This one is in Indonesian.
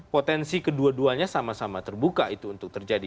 potensi kedua duanya sama sama terbuka itu untuk terjadi